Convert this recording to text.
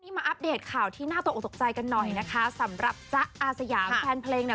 มาอัปเดตข่าวที่น่าตกออกตกใจกันหน่อยนะคะสำหรับจ๊ะอาสยามแฟนเพลงเนี่ย